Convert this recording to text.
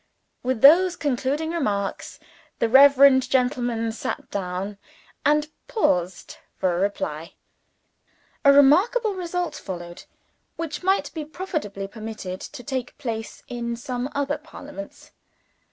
With those concluding remarks, the reverend gentleman sat down and paused for a reply. A remarkable result followed, which might be profitably permitted to take place in some other Parliaments.